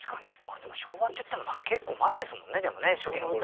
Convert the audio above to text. でも昭和っていっても結構前ですもんね初期の頃はね。